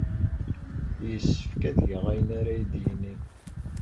Yessefk ad geɣ ayen ara iyi-d-yini.